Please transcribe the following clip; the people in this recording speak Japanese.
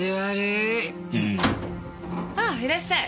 ああいらっしゃい。